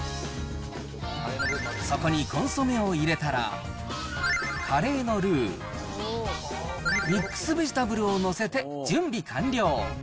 そこにコンソメを入れたら、カレーのルー、ミックスベジタブルを載せて準備完了。